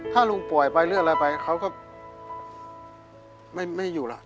ถ้าลุงป่วยไปหรืออะไรไปเขาก็ไม่อยู่ล่ะ